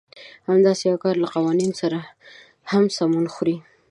همداسې يو کار له قوانينو سره هم سمون خوري.